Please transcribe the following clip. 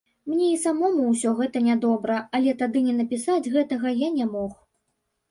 Мне і самому ўсё гэта нядобра, але тады не напісаць гэтага я не мог.